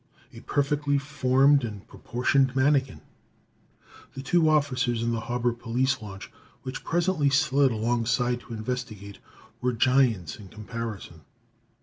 A perfectly formed and proportioned manikin! The two officers in the harbor police launch which presently slid alongside to investigate were giants in comparison.